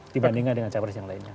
dibandingkan dengan capres yang lainnya